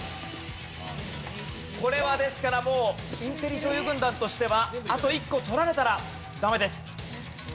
これはですからもうインテリ女優軍団としてはあと１個取られたらダメです。